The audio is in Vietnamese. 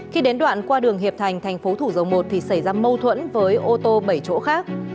khi đến đoạn qua đường hiệp thành thành phố thủ dầu một thì xảy ra mâu thuẫn với ô tô bảy chỗ khác